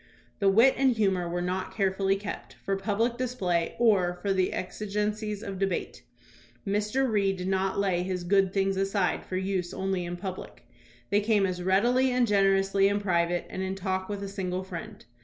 The wit and humor were not carefully kept for public display or for the exigencies of debate. Mr. Reed did not lay his "good things" aside for use only in public. They came as readily and generously in private and in talk with a single friend.